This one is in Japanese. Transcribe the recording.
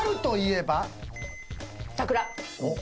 桜。